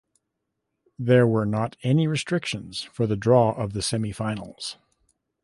There were not any restrictions for the draw of the semifinals.